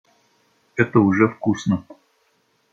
Это же вкусно.